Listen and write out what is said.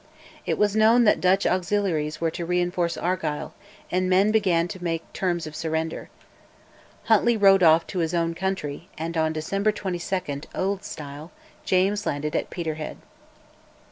It was known that Dutch auxiliaries were to reinforce Argyll, and men began to try to make terms of surrender. Huntly rode off to his own country, and on December 22 (old style) James landed at Peterhead.